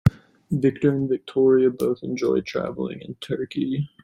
Victor and Victoria both enjoy traveling in Turkey.